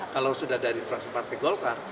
kalau sudah dari fraksi partai golkar